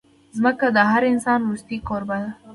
ځمکه د هر انسان وروستۍ کوربه ده.